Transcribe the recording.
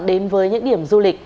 đến với những điểm du lịch